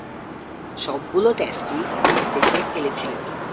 সবগুলো টেস্টই নিজ দেশে খেলেছিলেন।